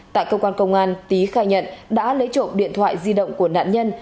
tại cơ quan công an tý khai nhận đã lấy trộm điện thoại di động của nạn nhân